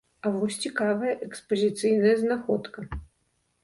А вось цікавая экспазіцыйная знаходка.